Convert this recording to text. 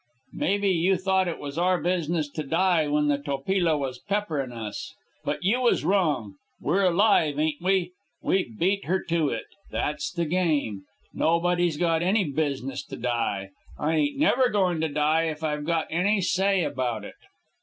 Maybe you thought it was our business to die when the Topila was pepper in' us. But you was wrong. We're alive, ain't we? We beat her to it. That's the game. Nobody's got any business to die. I ain't never goin' to die, if I've got any say about it."